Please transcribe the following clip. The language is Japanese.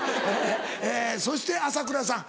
そして朝倉さん。